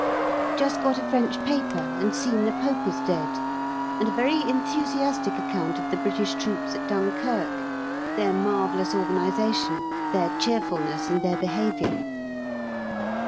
Just got a French paper and seen the Pope is dead, and a very enthusiastic account of the British troops at Dunkerque, their marvellous organisation, their cheerfulness, and their behaviour.